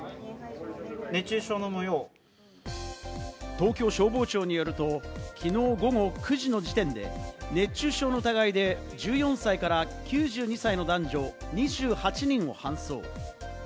東京消防庁によると、きのう午後９時の時点で熱中症の疑いで１４歳から９２歳の男女、２８人を搬送。